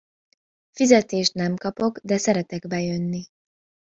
Fizetést nem kapok, de szeretek bejönni.